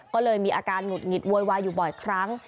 ก็เลยมีอาการหงุดหงิดโวยวายอยู่บ่อยครั้ง